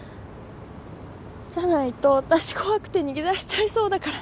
じゃないとわたし怖くて逃げ出しちゃいそうだから。